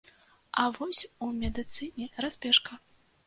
А вось у медыцыне разбежка.